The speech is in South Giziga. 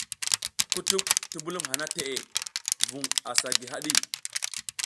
Kutuɓ ti mbulum hana teʼe vun asa gi haɗi.